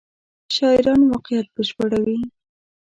شاعران واقعیت بشپړوي.